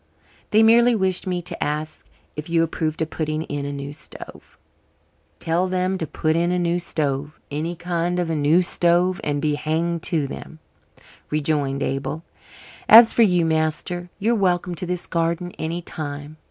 "They merely wished me to ask you if you approved of putting in a new stove." "Tell them to put in a new stove any kind of a new stove and be hanged to them," rejoined Abel. "As for you, master, you're welcome to this garden any time.